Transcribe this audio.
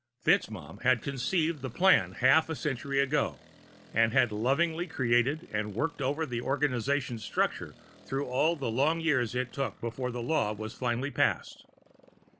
FitzMaugham had conceived the plan half a century ago, and had lovingly created and worked over the organization's structure through all the long years it took before the law was finally passed.